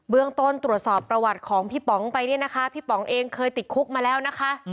ต้นตรวจสอบประวัติของพี่ป๋องไปเนี่ยนะคะพี่ป๋องเองเคยติดคุกมาแล้วนะคะ